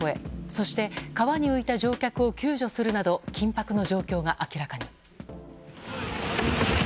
そして川に浮いた乗客を救助するなど緊迫の状況が明らかに。